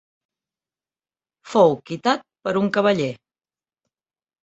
Fou quitat per un cavaller.